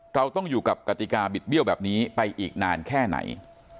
เราต้องอยู่กับกติกาบิดเบี้ยวแบบนี้ไปอีกนานแค่ไหน